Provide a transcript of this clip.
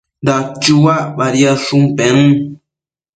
Dachua badiadshun pennu